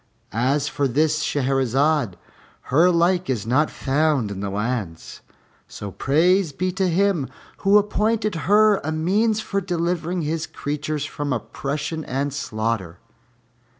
As for this Shahrazad, her like is not found in the lands; so praise be to Him Who appointed her a means for delivering His creatures from oppression and slaughter!"